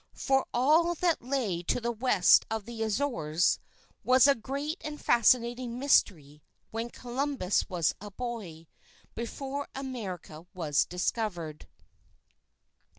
For all that lay to the west of the Azores, was a great and fascinating mystery, when Columbus was a boy, before America was discovered.